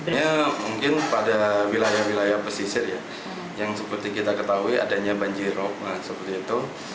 mungkin pada wilayah wilayah pesisir yang seperti kita ketahui adanya banjir laut